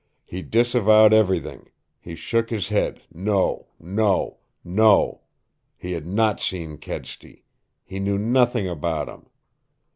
"He disavowed everything. He shook his head no, no, no. He had not seen Kedsty. He knew nothing about him.